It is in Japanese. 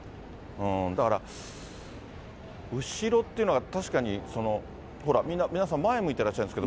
だから、後ろっていうのが確かにほら、皆さん、前向いてらっしゃるんです